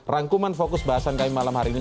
rangkuman fokus bahasan kami malam hari ini